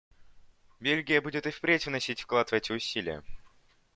Бельгия будет и впредь вносить вклад в эти усилия.